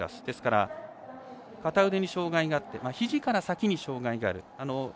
ですから、片腕に障がいがあってひじから先に障がいがある。